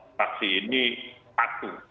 fraksi ini patuh